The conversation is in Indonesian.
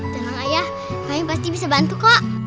tolong ayah kalian pasti bisa bantu kok